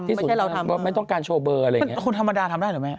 ไม่ให้เราทำไม่ต้องการโชว์เบอร์อะไรอย่างเงี่ยเป็นคนธรรมดาทำได้หรือไม่นะ